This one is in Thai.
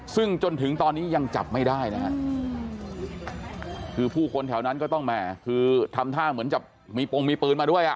ซึ่งจนถึงตอนนี้ยังจับไม่ได้นะฮะคือผู้คนแถวนั้นก็ต้องแหม่คือทำท่าเหมือนจะมีโปรงมีปืนมาด้วยอ่ะ